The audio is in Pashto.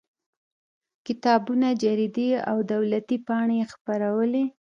کتابونه جریدې او دولتي پاڼې یې خپرولې.